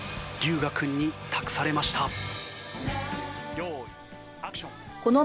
龍我君に託されました。